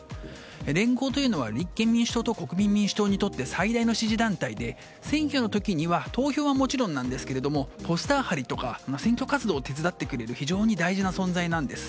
連合というのは立憲民主党と国民民主党にとって最大の支持団体で、選挙の時には投票はもちろんポスター貼りや選挙活動を手伝ってくれる非常に大事な存在です。